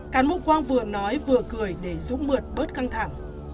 cán bộ quang vừa nói vừa cười để dũng mượt bớt căng thẳng